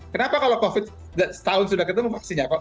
kenapa kalau covid setahun sudah ketemu vaksinnya